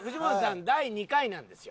第２回なんですよ。